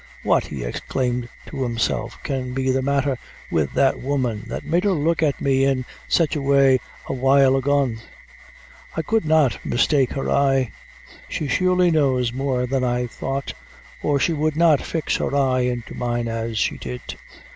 "What," he exclaimed to himself, "can be the matther with that woman, that made her look at me in sich a way a while agone? I could not mistake her eye. She surely knows more than I thought, or she would not fix her eye into mine as she did.